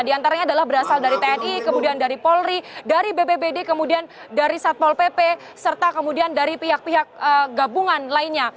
di antaranya adalah berasal dari tni kemudian dari polri dari bbbd kemudian dari satpol pp serta kemudian dari pihak pihak gabungan lainnya